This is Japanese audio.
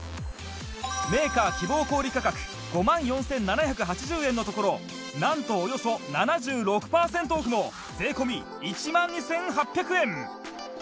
メーカー希望小売価格５万４７８０円のところなんとおよそ７６パーセントオフの税込１万２８００円